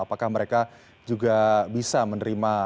apakah mereka juga bisa menerima